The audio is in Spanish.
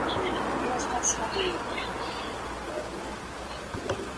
Pero finalizada la Segunda Guerra Mundial la situación cambió.